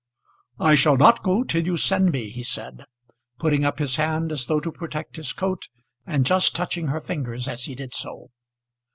"I shall not go till you send me," he said, putting up his hand as though to protect his coat, and just touching her fingers as he did so.